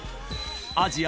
アジア